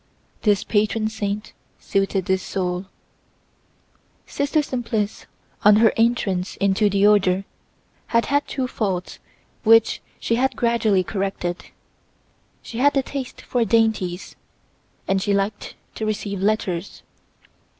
This patron saint suited this soul. Sister Simplice, on her entrance into the order, had had two faults which she had gradually corrected: she had a taste for dainties, and she liked to receive letters.